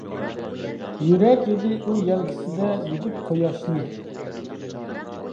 يۈرەر ئىدى ئۇ يەلكىسىدە يۈدۈپ قۇياشنى.